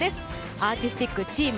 アーティスティックチーム